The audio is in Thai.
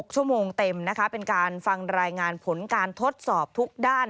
๖ชั่วโมงเต็มนะคะเป็นการฟังรายงานผลการทดสอบทุกด้าน